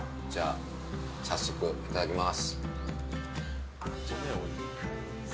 早速いただきます。